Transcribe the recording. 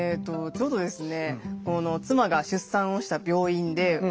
ちょうどですね